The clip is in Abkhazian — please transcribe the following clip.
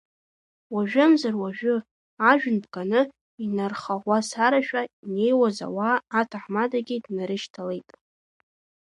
Уажәымзар-уажәы, ажәҩан бганы инархаӷәасарашәа инеиуаз ауаа аҭаҳмадагьы днарышьҭалеит.